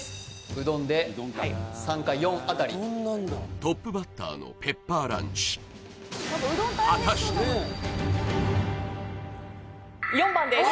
うどんで３か４あたりはいトップバッターのペッパーランチ４番です